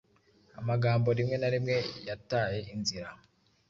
Amagambo rimwe na rimwe yataye inzira